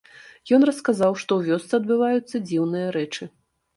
Ён расказаў, што ў вёсцы адбываюцца дзіўныя рэчы.